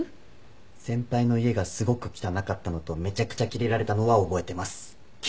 先輩の家がすごく汚かったのとめちゃくちゃキレられたのは覚えてます。